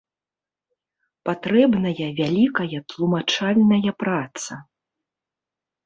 Патрэбная вялікая тлумачальная праца.